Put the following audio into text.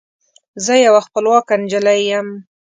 زه یوه خپلواکه نجلۍ یم